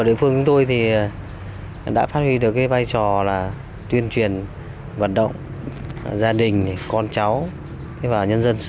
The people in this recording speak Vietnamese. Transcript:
huyện yên bình đã phát huy được cái vai trò là tuyên truyền vận động gia đình con cháu và nhân dân